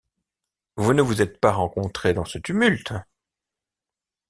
Vous ne vous êtes pas rencontrés dans ce tumulte?